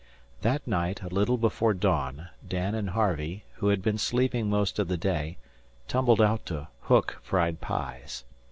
That night, a little before dawn, Dan and Harvey, who had been sleeping most of the day, tumbled out to "hook" fried pies.